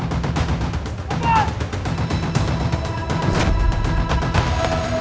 tau gue lihat dia